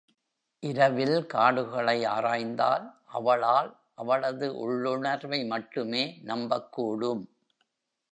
இரவில் காடுகளை ஆராய்ந்தால், அவளால் அவளது உள்ளுணர்வை மட்டுமே நம்பக் கூடும்.